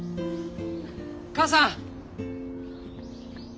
母さん！